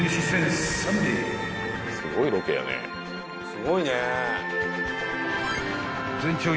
すごいね。